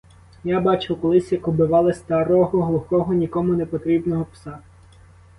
Я бачив колись, як убивали старого, глухого, нікому не потрібного пса.